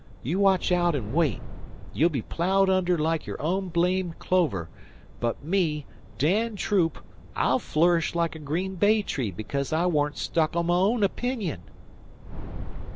You watch aout an' wait. You'll be plowed under like your own blamed clover; but me Dan Troop I'll flourish like a green bay tree because I warn't stuck on my own opinion."